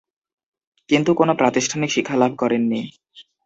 তিনি কোন প্রাতিষ্ঠানিক শিক্ষা লাভ করেননি।